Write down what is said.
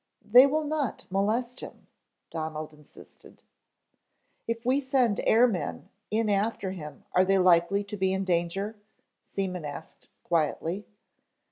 "They will not molest him," Donald insisted. "If we send air men in after him are they likely to be in danger?" Seaman asked quietly.